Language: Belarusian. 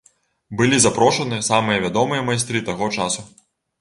Былі запрошаны самыя вядомыя майстры таго часу.